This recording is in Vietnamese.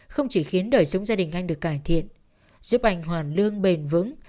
không chỉ khiến đời sống gia đình anh được cải thiện giúp anh hoàn lương bền vững